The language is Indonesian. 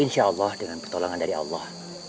insya allah dengan pertolongan dari allah